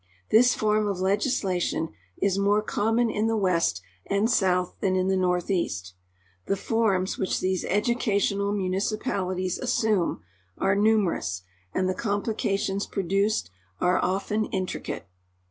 This form of legislation is more common in the west and south than in the northeast. The forms which these educational municipalities assume are numerous, and the complications produced are often intricate.